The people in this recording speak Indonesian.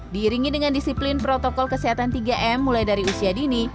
diiringi dengan disiplin protokol kesehatan tiga m mulai dari usia dini